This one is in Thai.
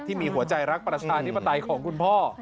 ที่มีหัวใจรักประชาธิปไตยของคุณพ่อ